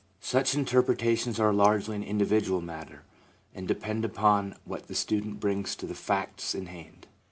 Such interpretations are largely an individual matter, and depend upon what the student brings to the facts in hand.